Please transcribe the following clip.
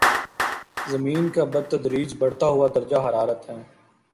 زمین کا بتدریج بڑھتا ہوا درجۂ حرارت ہے